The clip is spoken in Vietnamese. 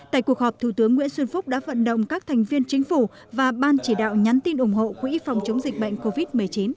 tại cuộc họp thủ tướng nguyễn xuân phúc đã vận động các thành viên chính phủ và ban chỉ đạo nhắn tin ủng hộ quỹ phòng chống dịch bệnh covid một mươi chín